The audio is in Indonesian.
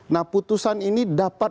nah putusan ini dapat